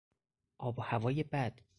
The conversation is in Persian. آب و هوای بد